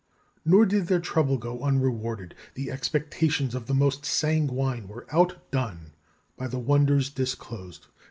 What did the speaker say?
Nor did their trouble go unrewarded. The expectations of the most sanguine were outdone by the wonders disclosed.